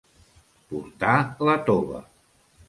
Portar la tova.